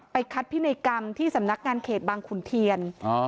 คัดพินัยกรรมที่สำนักงานเขตบางขุนเทียน